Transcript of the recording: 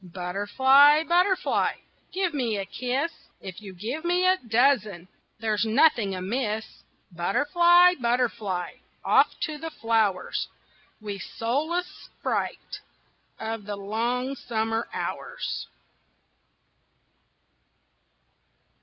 Butterfly, butterfly, Give me a kiss; If you give me a dozen There's nothing amiss. Butterfly, butterfly, Off to the flowers, Wee, soulless sprite Of the long summer hours.